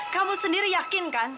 kamu sendiri yakinkan